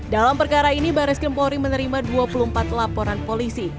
dalam perkara ini baris krimpori menerima dua puluh empat laporan polisi